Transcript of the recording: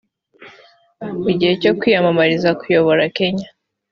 Mu gihe cyo kwiyamamariza kuyobora Kenya